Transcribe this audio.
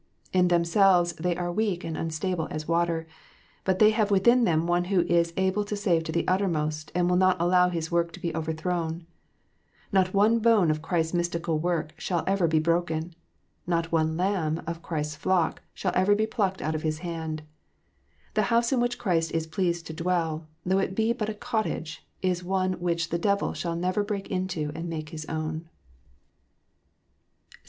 In themselves they are weak and unstable as water. But they have within them One who is " able to save to the uttermost," and will not allow His work to be overthrown. Not one bone of Christ s mystical body shall ever be broken. Not one lamb of Christ s flock shall ever be plucked out of His hand. The house in which Christ is pleased to dwell, though it be but a cottage, is one which the devil shall never break into and make his own.